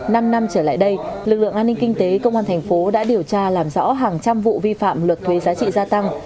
năm năm trở lại đây lực lượng an ninh kinh tế công an thành phố đã điều tra làm rõ hàng trăm vụ vi phạm luật thuế giá trị gia tăng